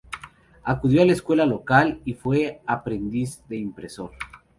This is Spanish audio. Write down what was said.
Acudió a la escuela local y fue aprendiz de impresor.